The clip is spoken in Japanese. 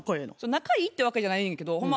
仲いいってわけじゃないねんけどほんま